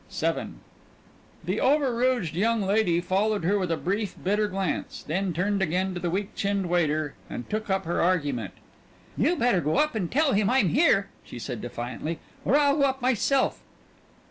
VII The over rouged young lady followed her with a brief, bitter glance then turned again to the weak chinned waiter and took up her argument. "You better go up and tell him I'm here," she said defiantly, "or I'll go up myself."